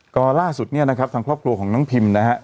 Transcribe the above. ก็ล่าสุดเนี่ยนะครับทางครอบครัวของน้องพิมนะฮะ